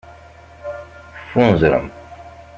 Teffunzrem.